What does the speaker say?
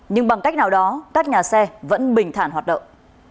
nhưng bằng cách nào đó các nhà xe vẫn bình thản hoạt động